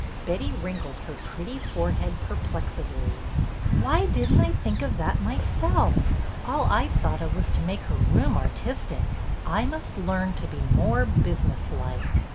Betty wrinkled her pretty forehead perplexedly. Why did n't I think of that myself ! All I thought of was to make her room artistic. I must learn to be more business like."